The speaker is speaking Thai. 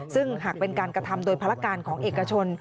ซึ่งหากเป็นการกระทำโดยภารการของเอกชน